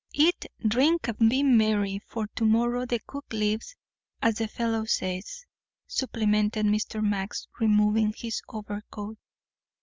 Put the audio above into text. "Eat, drink, and be merry, for to morrow the cook leaves, as the fellow says," supplemented Mr. Max, removing his overcoat.